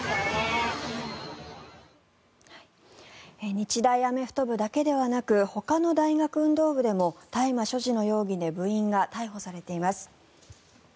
日大アメフト部だけではなくほかの大学運動部でも大麻所持の容疑で部員が逮捕されています。